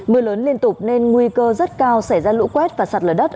mưa lớn liên tục nên nguy cơ rất cao xảy ra lũ quét và sạt lở đất